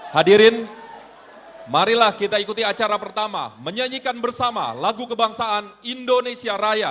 hadirin marilah kita ikuti acara pertama menyanyikan bersama lagu kebangsaan indonesia raya